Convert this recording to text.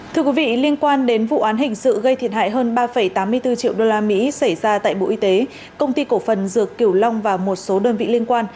thưa quý vị liên quan đến vụ án hình sự gây thiệt hại hơn ba tám mươi bốn triệu usd xảy ra tại bộ y tế công ty cổ phần dược kiểu long và một số đơn vị liên quan